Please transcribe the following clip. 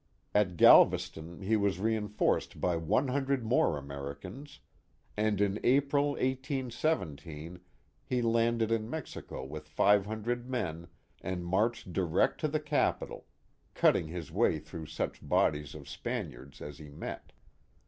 At Galveston he was reinforced by one hundred more Americans, and in April, 1817, he landed in Mexico with five hundred men and marched direct to the capital, cutting his way through such bodies of Spaniards as he met.